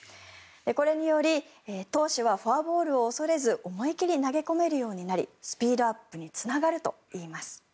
これにより投手はフォアボールを恐れず思い切り投げこめるようになりスピードアップにつながるといいます。